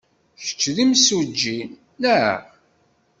Kečč d imsujji, naɣ?